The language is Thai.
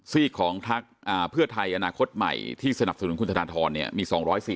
ซีกของพักเพื่อไทยอนาคตใหม่ที่สนับสนุนคุณธนทรเนี่ยมี๒๔๐